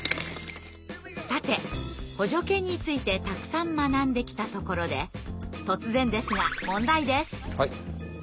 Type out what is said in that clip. さて補助犬についてたくさん学んできたところで突然ですが問題です。